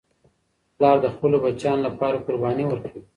پلار د خپلو بچیانو لپاره قرباني ورکوي.